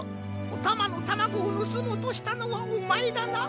おたまのタマゴをぬすもうとしたのはおまえだな？